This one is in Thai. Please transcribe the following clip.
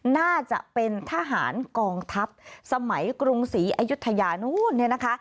น่าจะเป็นทหารกองทัพสมัยกรุงศรีอายุทยานู้นเนี่ยนะคะ